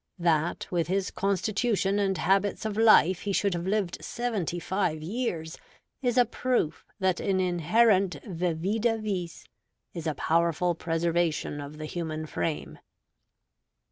That with his constitution and habits of life he should have lived seventy five years, is a proof that an inherent vivida vis is a powerful preservative of the human frame.